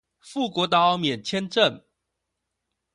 富國島免簽證